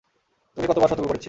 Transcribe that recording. তোকে কত বার সর্তক করেছি?